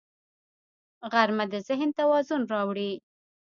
غرمه د ذهن توازن راوړي